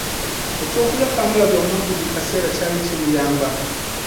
Eky'okulya kaamulali omungi buli kaseera kyali kimuyamba.